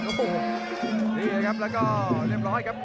แล้วก็เรียบร้อยครับ